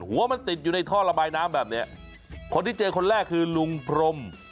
หัวมันติดอยู่ในท่อระบายน้ำแบบเนี้ยคนที่เจอคนแรกคือลุงพรม